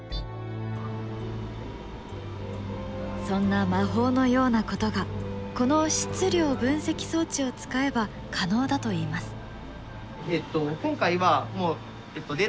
そんな魔法のようなことがこの質量分析装置を使えば可能だといいます。